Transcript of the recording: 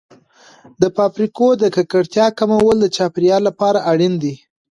د فابریکو د ککړتیا کمول د چاپیریال لپاره اړین دي.